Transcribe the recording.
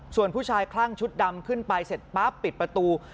ส่วนผู้ชายคลั่งชุดดำขึ้นไปเสร็จปั๊บปิดประตู